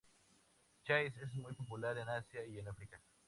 Chase es muy popular en Asia y en África.